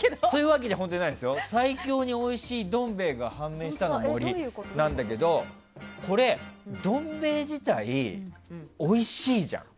最強においしいどん兵衛が判明したの森なんだけどこれ、どん兵衛自体おいしいじゃん。